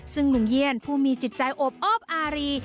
ซึ่งลุงเยี่ยนผู้มีจิตใจโอบอ้อมอารี